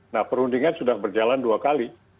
nah perundingan sudah berjalan dua kali